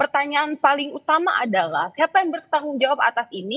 dan paling utama adalah siapa yang bertanggung jawab atas ini